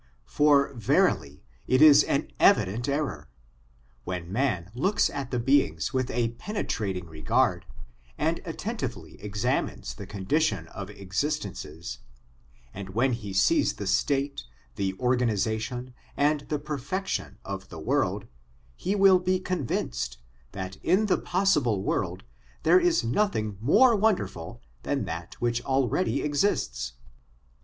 For verily it is an evident error. When man looks at the beings with a penetrating regard, and attentively examines the condition of existences, and when he sees the state, the organisation, and the perfection of the world, he will be convinced that in the possible world there is nothing more wonderful than that which already exists.